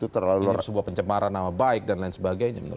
merasa ini sebuah pencemaran nama baik dan lain sebagainya